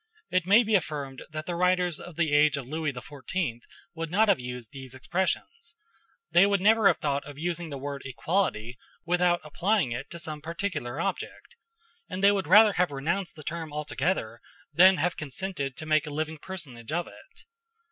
It may be affirmed that the writers of the age of Louis XIV would not have used these expressions: they would never have thought of using the word "equality" without applying it to some particular object; and they would rather have renounced the term altogether than have consented to make a living personage of it.